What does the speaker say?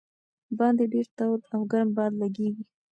باندې ډېر تود او ګرم باد لګېږي.